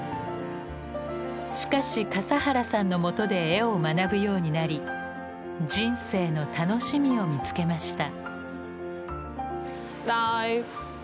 しかし笠原さんのもとで絵を学ぶようになり人生の楽しみを見つけました。